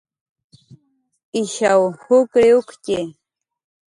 Ishaw jukriwktxi